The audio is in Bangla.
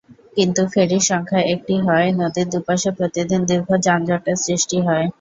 কিন্তু ফেরির সংখ্যা একটি হওয়ায় নদীর দুপাশে প্রতিদিন দীর্ঘ যানজটের সৃষ্টি হয়।